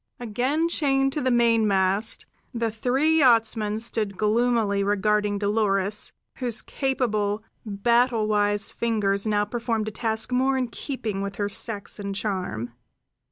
Again chained to the mainmast, the three yachtsmen stood gloomily regarding Dolores, whose capable, battle wise fingers now performed a task more in keeping with her sex and charm.